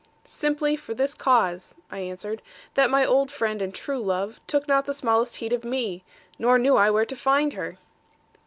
'Simply for this cause, I answered, 'that my old friend and true love, took not the smallest heed of me. Nor knew I where to find her.'